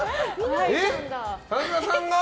田中さんが？